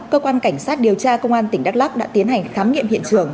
cơ quan cảnh sát điều tra công an tỉnh đắk lắc đã tiến hành khám nghiệm hiện trường